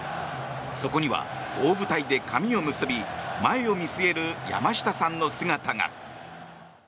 そこには大舞台で髪を結び前を見据える山下さんの姿が。